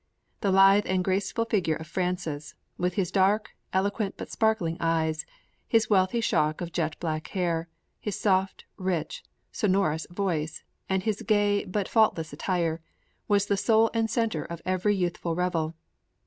The lithe and graceful figure of Francis, with his dark, eloquent but sparkling eyes, his wealthy shock of jet black hair, his soft, rich, sonorous voice and his gay but faultless attire, was the soul and center of every youthful revel.